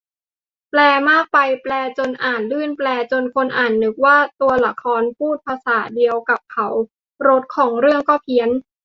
แปลมากไป แปลจนอ่านลื่น แปลจนคนอ่านนึกว่าตัวละครพูดภาษาเดียวกับเขา รสของเรื่องก็เพี้ยน